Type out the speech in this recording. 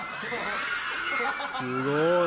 ⁉すごい！